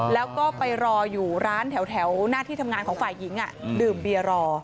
แล้วก็ไปรออยู่ร้านแถวหน้าที่ทำงานของฝ่ายหญิงดื่มเบียร์รอ